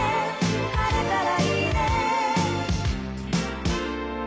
「晴れたらいいね」